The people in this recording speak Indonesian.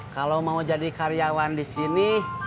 kalau mau jadi karyawan di sini